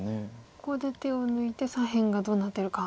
ここで手を抜いて左辺がどうなってるか。